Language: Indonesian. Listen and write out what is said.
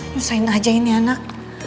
nyusahin aja ini anak